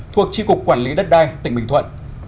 thuộc tri cục quản lý đất đai tỉnh bình thuận